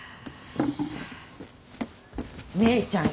姉ちゃん